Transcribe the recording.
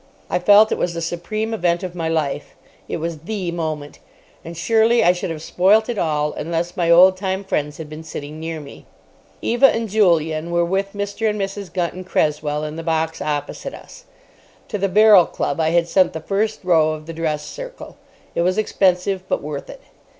I felt it was the supreme event of my life. It was the moment. And surely I should have spoilt it all unless my old time friends had been sitting near me. Eva and Julian were with Mr. and Mrs. Gunton Cresswell in the box opposite us. To the Barrel Club I had sent the first row of the dress circle. It was expensive, but worth it.